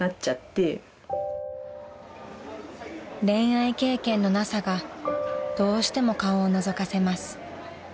［恋愛経験のなさがどうしても顔をのぞかせます］